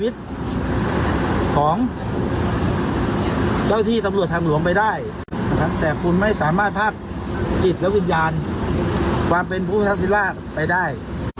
แต่คุณไม่สามารถภาพจิตและวิญญาณความเป็นผู้ทักษิราชไปได้